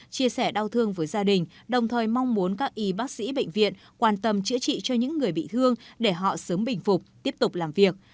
chia sẻ đau thương với gia đình đồng thời mong muốn các y bác sĩ bệnh viện quan tâm chữa trị cho những người bị thương để họ sớm bình phục tiếp tục làm việc